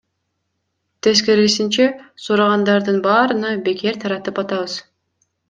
Тескерисинче, сурагандардын баарына бекер таратып атабыз.